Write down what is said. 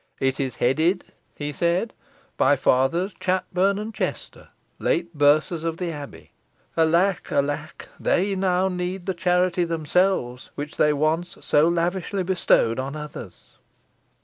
"It is headed," he said, "by Fathers Chatburne and Chester, late bursers of the abbey. Alack! alack! they now need the charity themselves which they once so lavishly bestowed on others."